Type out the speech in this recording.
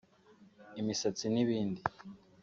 imisatsi n’ibindi